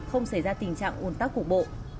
không xảy ra tình trạng ùn tắc cục bộ